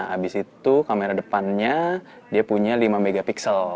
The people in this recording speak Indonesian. habis itu kamera depannya dia punya lima mp